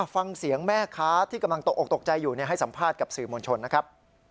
ฟังเสียงแม่ค้าที่กำลังตกออกตกใจอยู่ให้สัมภาษณ์กับสื่อมวลชนนะครับ